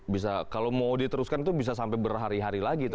bisa kalau mau diteruskan itu bisa sampai berhari hari lagi tuh